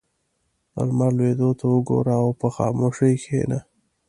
• د لمر لوېدو ته وګوره او په خاموشۍ کښېنه.